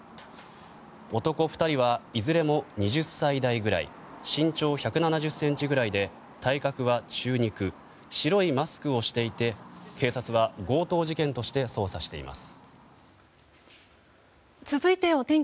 男２人はいずれも２０歳代ぐらい身長１７０ｃｍぐらいで体格は中肉白いマスクをしていて警察は強盗事件として捜査しています。